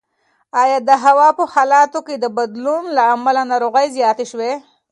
ایا د هوا په حالاتو کې د بدلون له امله ناروغۍ زیاتې شوي؟